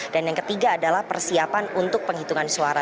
dan yang ketiga adalah persiapan untuk penghitungan suara